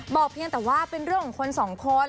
เพียงแต่ว่าเป็นเรื่องของคนสองคน